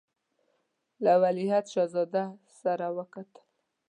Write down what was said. له ولیعهد شهزاده سره وکتل.